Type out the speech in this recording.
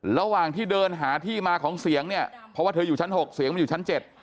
ระหว่างที่เดินหาที่มาของเสียงเนี่ยเพราะว่าเธออยู่ชั้น๖เสียงมันอยู่ชั้น๗